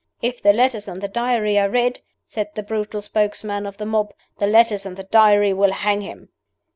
"If the letters and the Diary are read," said the brutal spokesman of the mob, "the letters and the Diary will hang him."